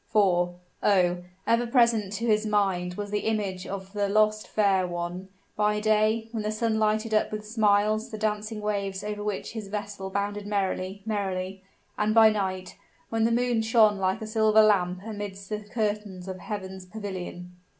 For, oh! ever present to his mind was the image of the lost fair one; by day, when the sun lighted up with smiles the dancing waves over which his vessel bounded merrily, merrily; and by night, when the moon shone like a silver lamp amidst the curtains of heaven's pavilion.